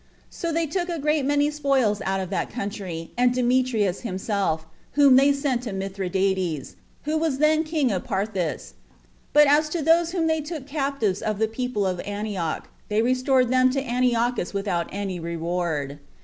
So they took a great many spoils out of that country, and Demetrius himself, whom they sent to Mithridates, who was then king of Parthia; but as to those whom they took captives of the people of Antioch, they restored them to the Antiochinus without any reward.